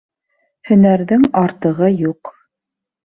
Һөнәрҙең артығы юҡ.